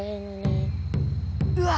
うわ！